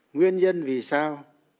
nguyên nhân vì sao